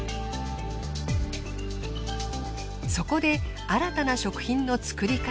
そこで新たな食品の作り方